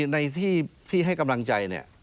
ในที่ให้กำลังใจ